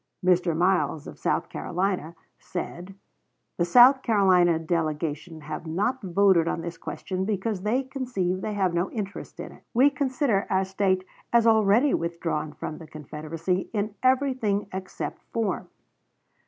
Mr. Miles, of South Carolina, said "the South Carolina delegation have not voted on this question because they conceive they have no interest in it. We consider our State as already withdrawn from the confederacy in everything except form."